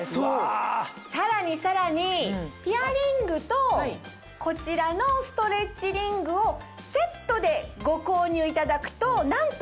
さらにさらにピアリングとこちらのストレッチリングをセットでご購入いただくとなんと。